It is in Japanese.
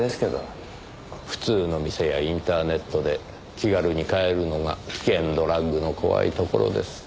普通の店やインターネットで気軽に買えるのが危険ドラッグの怖いところです。